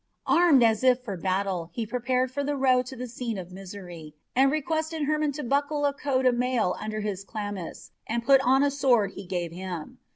Armed as if for battle, he prepared for the row to the scene of misery, and requested Hermon to buckle a coat of mail under his chlamys and put on the sword he gave him.